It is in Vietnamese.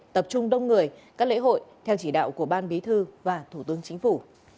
tập trung đông người các lễ hội theo chỉ đạo của ban bí thư và thủ tướng chính phủ